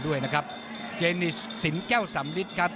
ด้วยนะครับ